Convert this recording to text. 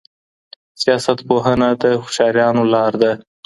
سیاست پوهنه د هوښیارانو لار ده.